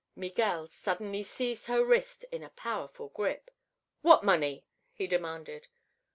Miguel suddenly seized her wrist in a powerful grip. "What money?" he demanded.